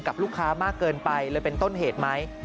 กับลูกค้ามากเกินไปเลยเป็นต้นเหตุไหม